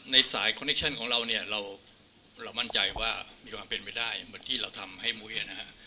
ในสายคอนเนคชั่นของเราเนี่ยเรามั่นใจว่ามีความเป็นไปได้เหมือนที่เราทำให้มุ้ยนะฮะ